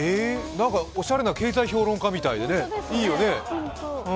おしゃれな経済評論家みたいでいいよね！